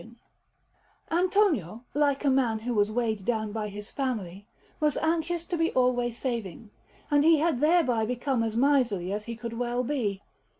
Parma: Gallery, 351_) Anderson] Antonio, like a man who was weighed down by his family, was anxious to be always saving, and he had thereby become as miserly as he could well be.